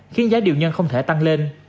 khiến giá điều nhân không thể tăng lên